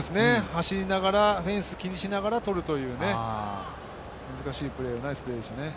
走りながら、フェンス気にしながらとるというね、難しいプレー、ナイスプレーでしたね。